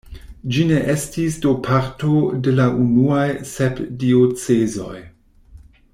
Ĝi ne estis do parto de la unuaj sep diocezoj.